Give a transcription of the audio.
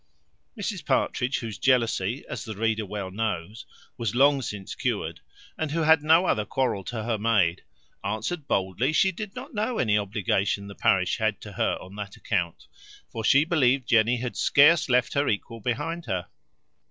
Mrs Partridge, whose jealousy, as the reader well knows, was long since cured, and who had no other quarrel to her maid, answered boldly, She did not know any obligation the parish had to her on that account; for she believed Jenny had scarce left her equal behind her.